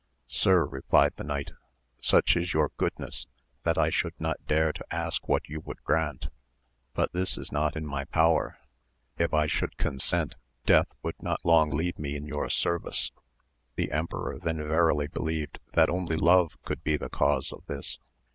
Sir, replied the knight, such is your goodness that I should not dare to ask what you would grant, but this is not in my power, if I should consent death would not long leave me in your service. The emperor then verily believed that only love could be the cause of this.